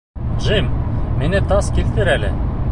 Джим, миңә тас килтер әле.